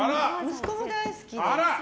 息子も大好きです。